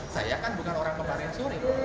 saya kan bukan orang kemarin sore